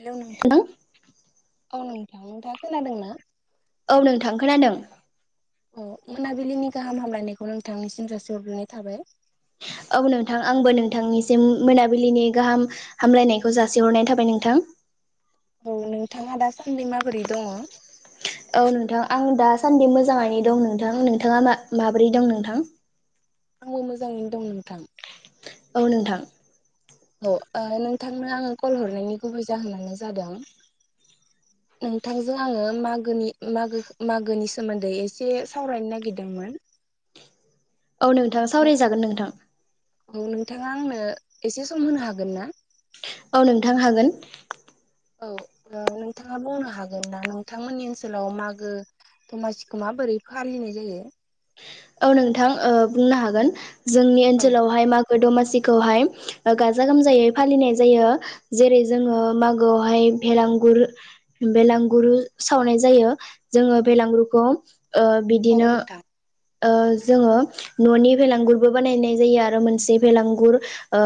Hello नोंथां औ औ नोंथां नोंथाङ खोनादों ना? औ नों थां खोनादों अ मोनाबिलिनि गाहाम हामलायनायखौ नोंथांनिसिम जासिहरनाय थाबाय औ नोंथां आंबो नोंथांनिसिम मोनाबिलिनि गाहाम हामलायनायखौ जासिहरनाय थाबाय नोंथां औ नोंथाङा दासान्दि माबोरै दङ? औ नोंथां आं दासान्दि मोजाङै दं नोंथां नोंथाङा मा माब्रै दं नोंथां? आंबो मोजाङैनो दं नोंथां औ नोंथां औ नोंथांनो आङो कल हरनायनि गुबै जाहोनानो जादों नोंथांजों आङो मागोनि मो मागोनि सोमोन्दै एसे सावरायनो नागिरदोंमोन। औ नोंथां सावरायजागोन नोंथां औ नोंथाङा आंनो एसे सम होनो हागोन ना? औ नोंथां हागोन औ नोंथाङा बुंनो हागोन ना नोंथांमोननि ओनसोलाव मागो दमासिखौ माबोरै फालिनाय जायो? औ नोंथां ओ बुंनो हागोन जोंनि औ ओनसोलावहाय मा दमासिखौहाय ओ गाजा गोमजायै फालिनाय जायो। जेरै जोङो मागोआवहाय भेलांगुर बे लांगुरु सावनाय जायो जोङो बे लांगुरुखौ ओ औ बिदिनो नोंथां ओ जोङो न'नि फेलांगुरबो बानायनाय जायो आरो मोनसे फेलांगुर ओ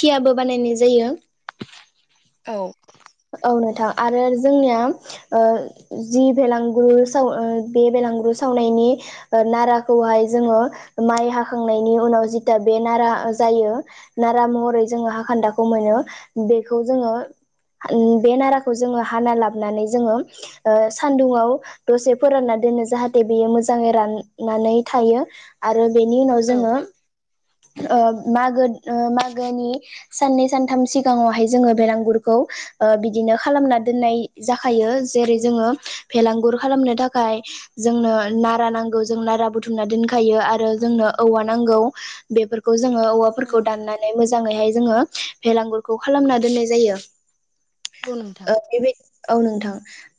खियाबो बानायनाय जायो। औ औ नोंथां आरो जोंनिया ओ जि बेेलांगुरु साव ओ बे बेेलांगुरु सावनायनि ओ नाराखौहाय जोङो माइ हाखांनायनि उनाव जिथा बे नारा जायो नारा महरै जोङो हा खान्दाखौ मोनो बेखौ जोङो बे नाराखौ जोङो हाना लाबोनानै जोङो सान्दुंआव दसे फोरानना दोनो जाहाथे बेयो मोजाङै राननानै थायो। आरो बेनि उनाव औ जोङो ओ मागो ओ मागोनि साननै सानथाम सिगाङावहाय जोङो बेलांगुरखौ ओ बिदिनो खालामना दोननाय जाखायो जेरै जोङो फेलांगुर पखालामनो थाखाय जोंनो नारा नांगौ जों नारा बुथुमना दोनखायो आरो जोंनो औवा नांगौ बेेफोर खौ जोङो औ औवाफोरखौ नोंथां दाननानै मोजाङैहाय जोङो भेलागुरखौ खालामना दोननाय जायो। औ नोंथां ओ बेबाय औ नोंथां।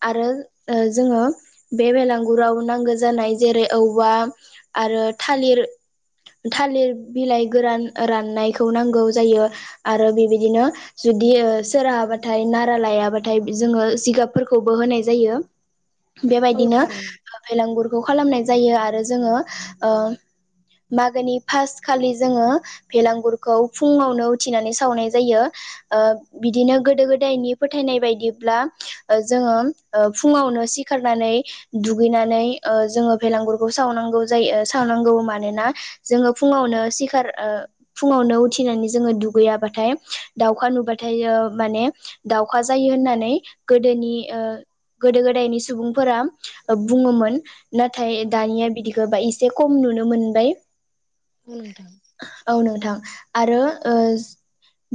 आरो ओ जोङो बे बेलागुराव नांगो जानाय जेरै औवा आरो थालिर थालिर बिलाइ गोरान राननायखौ नांगौ जायो। आरो बेबायदिनो जुदि ओ सोराबाद थाय नारा लायाबाथाय जोङो जिगाबफोरखौबो होनाय जायो। औ बेबायदिनो थारैनो भेलागुरखौ खालामनाय जायो आरो जोङो ओ मागोनि फाष्ट खालि जोङो भेलागुरखौ फुङावनो उथिनानै सावनाय जायो ओ बिदिनो गोदो गो दायनि फोथायनाय बायदिब्ला जोङो औ फुङावनो सिखारनानै दुगैनानै ओ जोङो भेलागुरखौ सावनांगौ जायो सावनांगौ मानोना जोङो फुङावनो सिखार ओ फुङावनो उथिनानै जोङो दुगैयाबाथाय दाउखा नुबाथाय ओ माने दावखा जायो होननानै गोदोनि ओ गोदो गोदायनि सुबुंफोरा औ बुङोमोन नाथाय औ नोंथां दानिया बिदिखो बाय एसे खम नुनो मोनबाय। औ नोंथां। औ नोंथां आरो ओज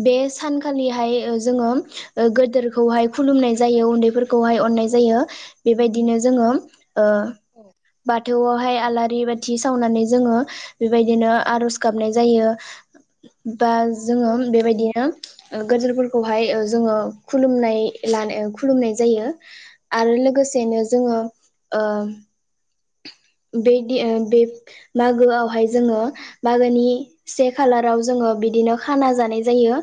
बे सानखालिहाय ओ जोङो ओ गोदोरखौहाय खुलुमनाय जायो उन्दैफोरखौहाय अननाय जायो बेबायदिनो जोङो ओ औ बाथ थौवावहाय आलारि बाथि सावनानै जोङो बेबायदिनो आरज गाबनाय जायो। बा औ जोङो नोंथां बेबायदिनो ओ गोदोरफोरखौहाय ओ जोङो खुलुमनाय लानो खुलुमनाय जायो। आरो लोगोसेनो जोङो ओ बेदि ओ बे मागोआवहाय जोङो मागोनि से खालाराव जोङो बिदिनो खाना जानाय जायो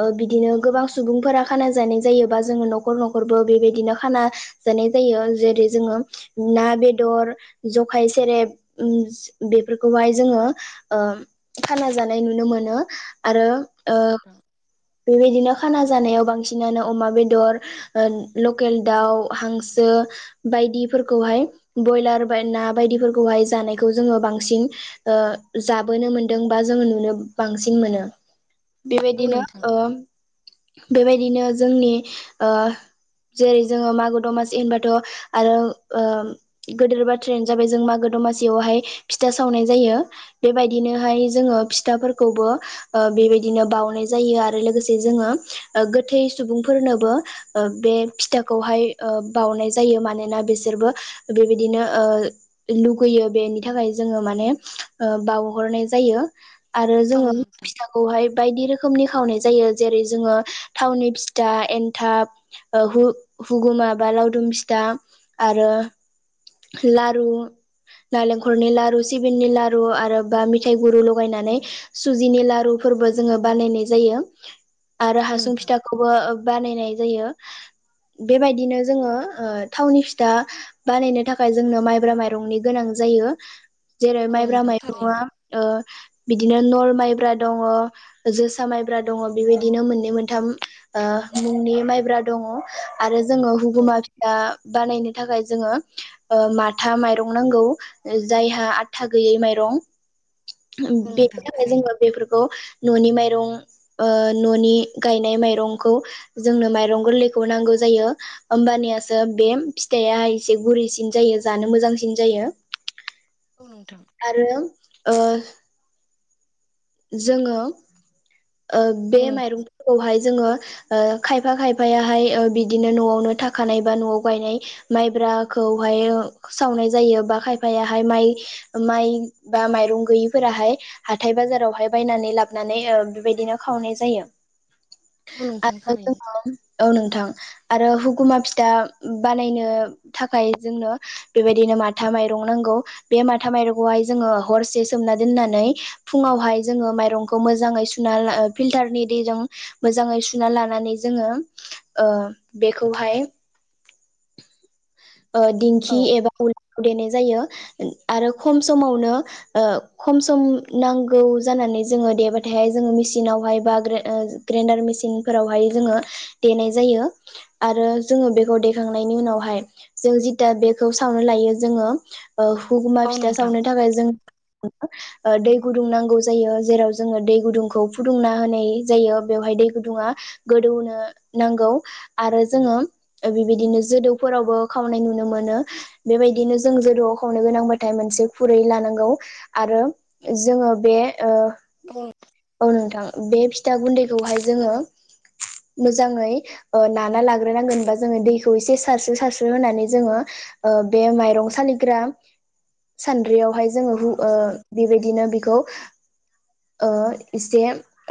ओ बि दिनो औ गोबां नोंथां सुबुंफोरा खाना जानाय जायोबा जोङो न'खर-न'खरबो बेबायदिनो खाना जानाय जायो जेरै जोङो ना बेदर जखाय सेरेब उम बेफोरखौहाय जोङो ओ खाना जानाय नुनो मोनो आरो औ ओ नोंथां बेबायदिनो खाना जानायाव बांसिनानो अमा बेदर ओ लकेल दाउ हांसो बायदिफोरखौहाय बयलार बाय ना बायदिफोरखौहाय जानायखौ जोङो बांसिन ओ जाबोनो मोनदों बा जोङो नुनो बांसिन मोनो। औ बेबायदिनो नोंथां ओ बेबायदिनो जोंनि ओ जेरै जोङो मागो दमासि होनबाथ' आरो ओ गोदोरबा ट्रेन जाबाय जों मागो दमासियावहाय फिथा सावनाय जायो। बेबायदिनोहाय जोङो फिथाफोरखौबो ओ बेबायदिनो बावनाय जायो आरो लोगोसे जोङो ओ गोथै सुबुंफोरनोबो ओ बे फिथाखौहाय ओ बावनाय जायो मानोना बिसोरबो बेबायदिनो ओ लुगैयो बेनि थाखाय जोङो माने ओ बावहरनाय जायो। आरो औ जोङो नोंथां फिथा खौहाय बायदि रोखोमनि खावनाय जायो जेरै जोङो थावनि फिथा एन्थाब ओ हु-हुगुमा बा लावदुम फिथा आरो लारु नालेंखरनि लारु सिबिंनि लारु आरो बा मिथाइ गुरु लगायनानै सुजिनि लारुफोरबो जोङो बानायनाय जायो आरो औ हासुं नोंथां फिथा खौबो बानायनाय जायो। बेबायदिनो जोङो ओ थावनि फिथा बानायनो थाखा थाखाय जोंनो माइब्रा माइरंनि गोनां जायो जेरै औ माइब्रा नोंथां माइब्रु थारैनो आ बिदिनो नल माइब्रा दङ जोसा माइब्रा दङ बेबायदिनो मोननै मोनथाम ओ मुंनि माइब्रा दङ। आरो जोङो औ हुगुमा फिथा बानायनो थाखाय जोङो माथा माइरं नांगौ जायहा आदथा गैयै माइरं औ बेनि नोंथां थाखाय थारैनो जोङो बेफोरखौ न'नि माइरं ओ न'नि गायनाय माइरंखौ जोंनो माइरं गोरलैखौ नांगौ जायो होमबानियासो बे फिथाइआ एसे गुरैसिन जायो जानो मोजांसिन जायो। औ नोंथां। आरो ओ जोङो ओ औ बे नोंथां माइरंफोरखौहाय जोङो ओ खायफा खायफायाहाय ओ बिदिनो न'आवनो थाखानाय बा न'आव गायनाय माइब्राखौहायो सावनाय जायो बा खायफायाहाय माइ माइ बा माइरं गैयिफोराहाय हाथथाय बाजारावहा हाय बायनानै लाबानै ओ बेबायदिनो खावनाय जायो औ नोंथां आरो थारैनो जोङो औ नोंथां आरो हुगुमा फिथा बानायनो थाखाय जोंनो बेबायदिनो माथा माइरं नांगौ। बे माथा माइरंखौहाय जोङो हरसे सोमना दोननानै फुङावहाय जोङो माइरंखौ मोजाङै सुना ला ओ फिल्टारनि दैजों मोजाङै सुना लानानै जोङो ओ बेखौहाय ओ औ दिंखि एबा उलाखौ देनाय जायो आरो खम समावनो ओ खम सम नांगौ जानानै जोङो देबाथाय जोङो मेचिनावहाय बा ग्रेन ओ ग्रेन्डार मेसिनफोरावहाय जोङो देनाय जायो। आरो जोङो बेखौ देखांनायनि उनावहाय जों जिथा बेखौ सावनो लायो जोङो ओ हुगुमा औ फिथा नोंथां सावनो थाखाय जों [unintelligible] ओ दै गुदुं नांगौ जायो जेराव जोङो दै गुदुंखौ फुदुंना होनाय जायो बेवहाय दै गुदुङा गोदौहोनो नांगौ आरो जोङो ओ बिबायदिनो जोदौफोरावबो खावनाय नुनो मोनो बेबायदिनो जों जदोआव खावनो गोनांबाथाय मोनसे खुरै लानांगौ आरो जोङो बे ओ औ नोंथां औ नोंथां बे फि फिथा गुन्दैखौहाय जोङो मोजाङै ओ नाना लाग्रोनांगोन ओमफ्राय जोङो दैखौ एसे सारसो सारसो बेखौ होनानै जोङो ओ बे माइरं सालिग्रा सानद्रिआव हाय जोङो रु ओ बेबायदिनो बेखौ ओ एसे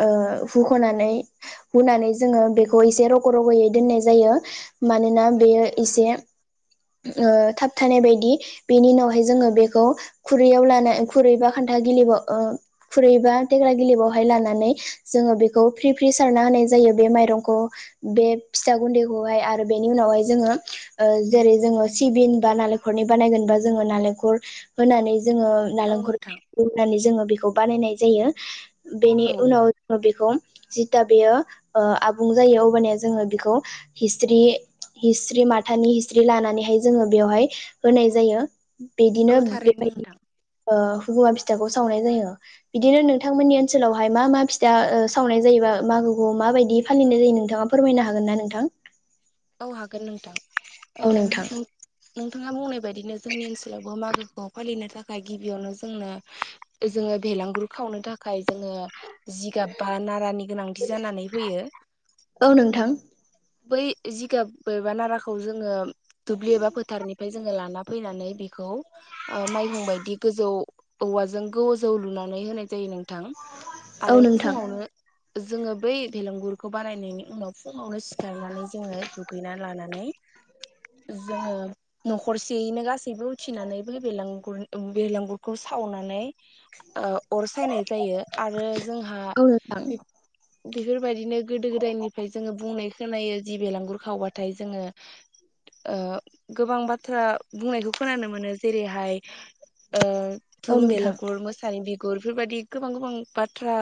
ओ हुख'नानै हुनानै जोङो बेखौ एसे रग' रग'यै दोननाय जायो मानोना बेयो एसे ओ थाबथानाय बायदि बेनि उनावहाय जोङो बेखौ खुरैयाव लाना खुरैबा खान्था गिलिबाव ओ खुरैबा थेग्रा गिलिबावहाय लानानै जोङो बेखौ फ्रि फ्रि सारना होनाय जायो बे माइरंखौ बे फिथा गुन्दैखौहाय आरो बेनि उनावहाय जोङो ओ जेरै जोङो सिबिन बा नालेंखरनि बानायगोन बा जोङो नालेंखर होनानै जोङो औ नालेंखर नोंथां उननानै जोङो बेखौ बानायनाय जायो बेनि औ उनाव ओ बेखौ जिथा बेयो आबुं जायो अबानिया जोङो बेखौ हिस्रि हिस्रि माथानि हिस्रि लानानैहाय जोङो बेवहाय होनाय जायो। औ बिदिनो थारैनो बेबायदि नोंथां ओ हुगुमा फिथाखौ सावनाय जायो। बिदिनो नोंथांमोननि ओनसोलावहाय मा मा फिथा ओ सावनाय जायोबा माागोखौ मााबायदि फालिनाय जायो नोंथाङा फोरमायनो हागोन ना नोंथां? औ हागोन नोंथां ओ औ नोंथाङा बुंनाय बायदिनो जोंनि ओनसोलावबो मागोखौ फालिनो थाखाय गिबियावनो जोंनो जोङो बेेलांगुर खावनो थाखाय जोङो जिगाब बा नारानि गोनांथि जानानै फैयो। औ नोंथां बै जिगाब एबा नाराखौ जोङो दुब्लि एबा फोथारनिफ्राय जोङो लाना फैनानै बेखौ ओ माइहुं बायदि गोजौ औवाजों गोजौ लुनानै होनाय जायो नोंथां औ आरो नोंथां फुङावनो सि जोङो बै भेलेंगुरखौ बानायनायनि उनाव फुङावनो खारनानै जोङो दुगैना लानानै जोङो न'खरसेयैनो गासैबो उथिनानै बै बैलागुर ओ बेलागुरखौ सावनानै ओ अर सायनाय जायो आरो जोंहा औ नोंथां बे बेफोरबायदिनो गोदो गोदायनिफ्राय जोङो बुंनाय खोनायो जि बेलांगुर खावबाथाय जोङो ओ गोबां बाथ्रा बुंनायखौ खोनानो मोनो जेरैहाय ओ औ धुम नोंथां बेलागुर मोसानि बिगुर बेफोर बायदि गोबां गोबां बाथ्रा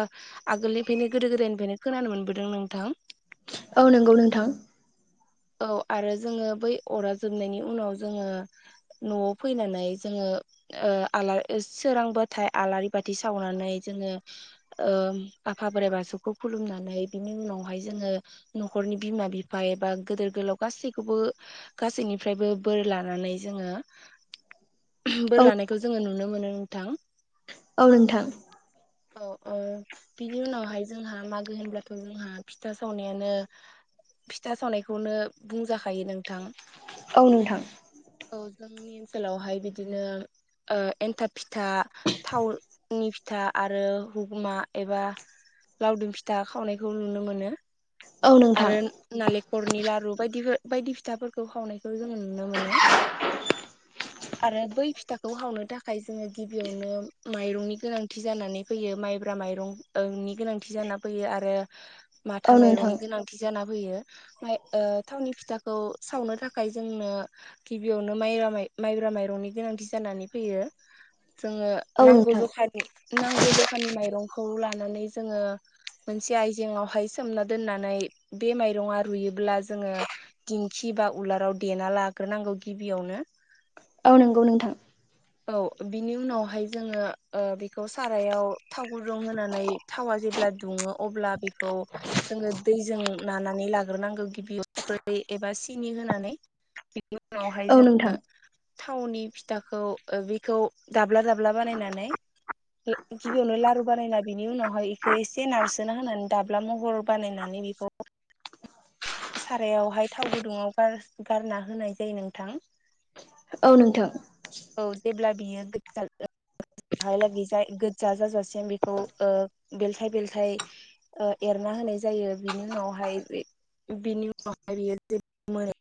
आगोलनिफ्रायनो गोदो गोदायनिफ्रायनो खोनानो मोनबोदों नोंथां। औ नंगौ नोंथां। औ आरो जोङो बै अरा जोबनायनि उनाव जोङो न'आव फैनानै जोङो ओ आलारि सोरांबाथाय आलारि बाथि सावनानै जोङो ओम आफा बोराइ बाथौखौ खुलुमनानै बिनि उनावहाय जोङो नखरनि बिमा बिफाया एबा गिदोर गोलाव गासैखौबो गासैनिफ्रायबो बोर लानानै जोङो बोर औ लानायखौ जोङो नुनो मोनो नोंथां। औ नोंथां औ ओ बिनि उनावहाय जोंहा मागो होनब्लाथ' जोंहा फिथा सावनायानो फिथा सावनाय खौनो बुंजाखायो नोंथां। औ नोंथां। औ जोंनि ओनसोलावहाय बिदिनो ओ एन्थाब फिथा थावनि फिथा आरो हगुमा एबा लावदुम फिथा खावनायखौ नुनो मोनो औ नोंथां आरो नालेंखरनि लारु बायदि बायदि फिथाफोरखौ खावनायखौ जोङो नुनो मोनो आरो बै फिथाखौ हावनो थाखाय जोङो गिबियावनो माइरंनि गोनांथि जानानै फैयो माइब्रा माइरंनि ओम गोनांथि जानानानै फैयो आरो औ माथा नोंथां माइरंनि गोनांथि जाना फैयो ओमफाय ओ थावनि फिथाखौ सावनो थाखाय जोंनो गिबियावनो माइरा माइ माइब्रा माइरंनि गोनांथि जानानै फैयो जोङो औ नांगौ नोंथां जखानि नांगौ जखानि माइरंखौ लानानै जोङो मोनसे आयजेंआवहाय सोमना दोनना य बे माइरंआ रुयोब्ला जोङो दिंखि बा उलाराव देना लाग्रोनांगौ गिबियावनो औ नंगौ नोंथां। [inaudible] औ बिनि उनावहाय जोङो ओ बेखौ सारायाव थाव गुदुं होनानै थावा जेब्ला दुङो अब्ला बेखौ जोङो दैजों नानानै लाग्रोनांगौ गिबियाव सख्रि एबा सिनि होनानै उनावहाय औ नोंथां जोङो थावनि फिथाखौ ओ बेखौ दाब्ला दाब्ला बानायनानै ए गिबियावनो लारु बानायना बिनि उनावहाय बेखौ एसे नारसोना होनानै दाब्ला महर बानाय माने बेखौ [unintelligible] सारायावहाय थाव गुदुङाव गार गारना होनाय जायो नोंथां। औ नोंथां। औ जेब्ला बियो गोज्जा जाहालागै जा गोजजा जाजासिम बेखौ ओ बेलथाय बेलथाय ओ एरना होनाय जायो बिनि उनावहाय, बे बिनि उनावहाय बियो [unintelligible] मोनो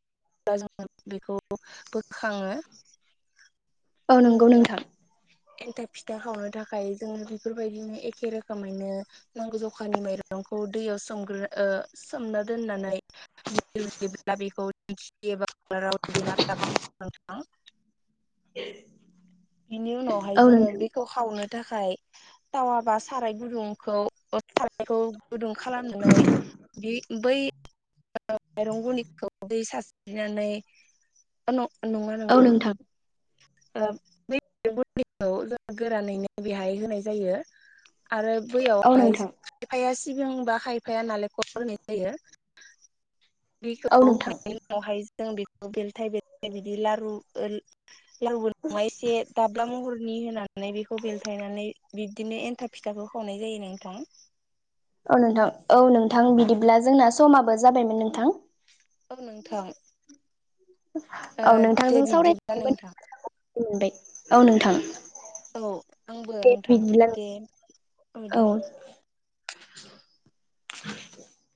ब्ला जोङो बेखौ बोखाङो। औ नोंगौ आरो नोंथां। एन्थाब फिथा खावनो थाखाय जोङो बेफोरबायदिनो एखे रोखोमैनो नांगौ जखानि माइरंखौ दैयाव सोमग्रो ओ सोमना दोननानै बि [unintelligible] ब्ला बेखौ [unintelligible] बिनि उनावहाय औ जोङो नोंथां बे खौ हावनो थाखाय टावा बा साराय गुदुंखौ सारायखौ गुदुं खालामनानै बे बै माइरं गुनदैनिखौ दै सारस्रिनानै न नङा नोंथां ओ दैजों [unintelligible] खौ गोरानैनो बेहाय होनाय जायो। आरो औ बैयावहाय नोंथां खायफाया सिबिं बा खायफाया नालेंखर होनाय जायो। औ दैखौ नोंथां होनायनि उनावहाय जों बेखौ बेलथाय बेलथाय बिदि लारु ओ लाव [unintelligible] दाब्ला महरनि होनानै बेखौ बेलथायनानै बिबदिनो एन्थाब फिथाखौ खावनाय जायो नोंथां। औ नोंथां। औ नोंथां। बिदिब्ला जोंना समाबो जाबायमोन नोंथां। औ नोंथां दे बिब्दिब्ला नोंथां। गोजोनबाय औ नोंथां। औ आंबो दे नोंथां बिदिब्ला दे नों औ।